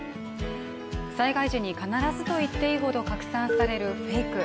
災害時に必ずといっていいほど拡散されるフェイク。